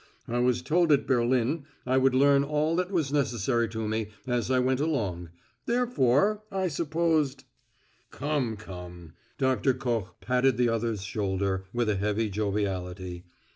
"I was told at Berlin I would learn all that was necessary to me as I went along, therefore, I supposed " "Come come!" Doctor Koch patted the other's shoulder, with a heavy joviality.